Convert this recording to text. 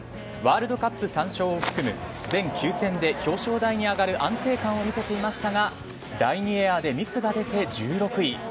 ワールドカップ３勝を含む全９戦で表彰台に上がる安定感を見せていましたが第２エアでミスが出て１６位。